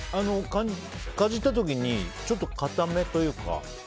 かじった時にちょっと硬めというか。